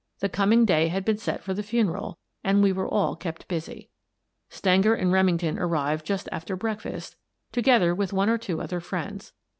The com ing day had been set for the funeral, and we were all kept busy. Stenger and Remington arrived just after break fast, together with one or two other friends.